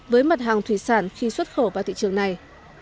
với mặt hàng thủy sản khi xuất khẩu vào thị trường này